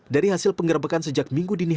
dari hasil penggerbekan sejak minggu dini